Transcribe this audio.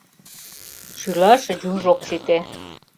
Шӱлаш юж ок сите.